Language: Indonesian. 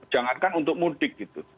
jangankan untuk mudik gitu